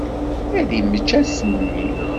Ad immečč ass-nni.